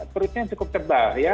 perutnya cukup tebal ya